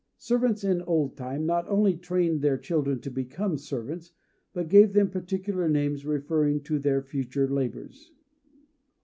Servants in old time not only trained their children to become servants, but gave them particular names referring to their future labors.